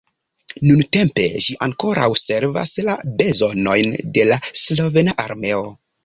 Nuntempe ĝi ankoraŭ servas la bezonojn de la slovena armeo.